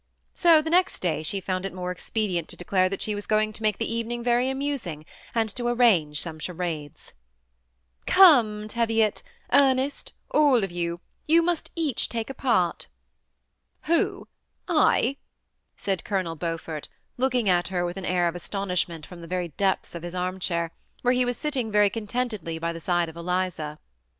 So the next day she found it more expedient to declare that she was going to make the evening very amusing, and to arrange some charades. " Come, Teviot, Ernest, all of you, you must each take a part." "Who, I?" said Colonel Beaufort, looking at her with an air of astonishment fi^m the very depths of " THE SEMI ATTACHED COUPLE. 145 his arm chair, where he was sitting very contentedly by the side of Eliza.